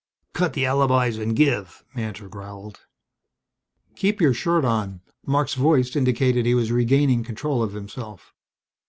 "Cut the alibis and give," Mantor growled. "Keep your shirt on." Marc's voice indicated he was regaining control of himself.